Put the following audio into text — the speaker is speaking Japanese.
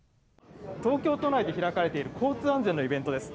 東京都内で開かれている交通安全のイベントです。